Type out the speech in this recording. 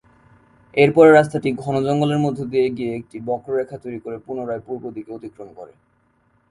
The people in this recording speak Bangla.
এরপরে রাস্তাটি ঘন জঙ্গলের মধ্য দিয়ে গিয়ে একটি বক্ররেখা তৈরি করে পুনরায় পূর্ব দিকে অতিক্রম করে।